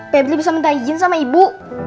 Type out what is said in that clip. pebri bisa minta izin sama ibu